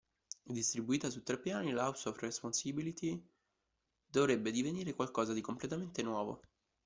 Distribuita su tre piani, la "House of Responsibility" dovrebbe divenire qualcosa di completamente nuovo.